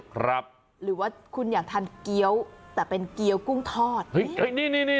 หรือว่าคุณอยากทานเกี้ยวแต่เป็นเกี้ยวกุ้งทอดเฮ้ยนี่นี่